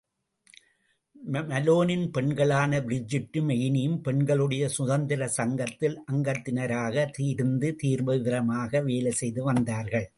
மலோனின் பெண்களான பிரிஜிட்டும் எயினியும் பெண்களுடைய சுதந்திரச் சங்கத்தில் அங்கத்தினராக இருந்து தீவிரமாக வேலை செய்து வந்தார்கள்.